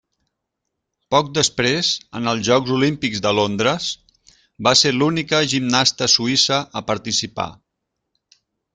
Poc després, en els Jocs Olímpics de Londres, va ser l'única gimnasta suïssa a participar.